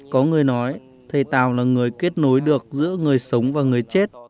có người nói thầy tào là người kết nối được giữa người sống và người chết